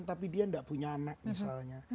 tapi dia tidak punya anak misalnya